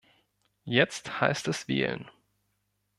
Jetzt heißt es wählen.